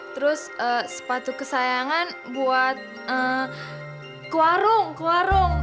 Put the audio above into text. terus sepatu kesayangan buat ke warung ke warung